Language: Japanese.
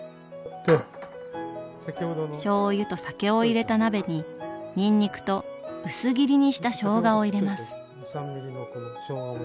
しょうゆと酒を入れた鍋ににんにくと薄切りにしたしょうがを入れます。